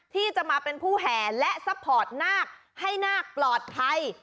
ที่จะมาเป็นผู้แห่และซัพพอร์ตนาคให้นาคปลอดภัย